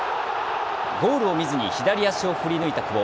ゴールを見ずに左足を振り抜いた久保。